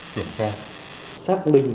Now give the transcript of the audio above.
kiểm tra xác minh